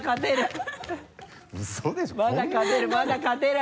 まだ勝てるまだ勝てる。